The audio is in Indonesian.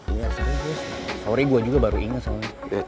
iya serius sorry gue juga baru inget